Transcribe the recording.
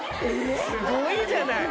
すごいじゃない！